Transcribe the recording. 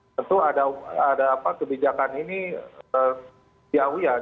tentu ada kebijakan ini jauhian